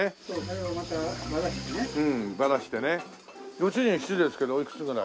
ご主人失礼ですけどおいくつぐらい？